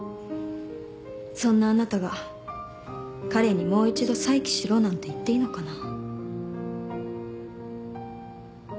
そんなあなたが彼にもう一度再起しろなんて言っていいのかな？